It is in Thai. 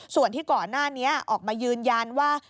ส่วนที่ก่อนหน้านี้ออกมายืนยันว่า